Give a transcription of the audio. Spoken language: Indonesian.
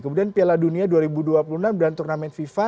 kemudian piala dunia dua ribu dua puluh enam dan turnamen fifa